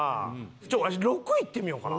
ちょっとワシ６いってみようかな。